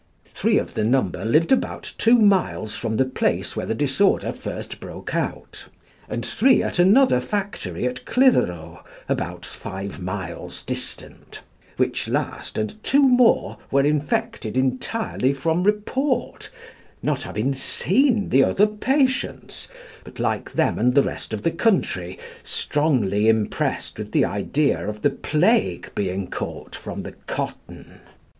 Three of the number lived about two miles from the place where the disorder first broke out, and three at another factory at Clitheroe, about five miles distant, which last and two more were infected entirely from report, not having seen the other patients, but, like them and the rest of the country, strongly impressed with the idea of the plague being caught from the cotton.